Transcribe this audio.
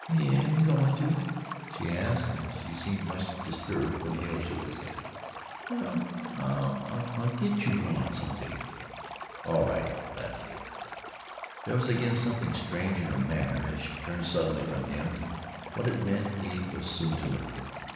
"Have you got one, too?" she asked, and she seemed much disturbed when Hale shook his head. "Well, I'LL git GET you one some day." "All right," laughed Hale. There was again something strange in her manner as she turned suddenly from him, and what it meant he was soon to learn.